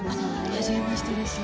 はじめましてです。